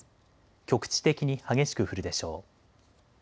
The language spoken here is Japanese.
局地的に激しく降るでしょう。